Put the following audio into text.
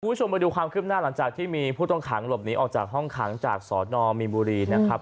คุณผู้ชมไปดูความคืบหน้าหลังจากที่มีผู้ต้องขังหลบหนีออกจากห้องขังจากสนมีนบุรีนะครับ